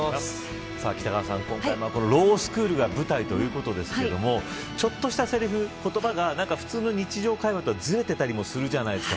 北川さん、今回ロースクールが舞台ということですがちょっとしたせりふ言葉が、普通の日常会話とはずれてたりするじゃないですか。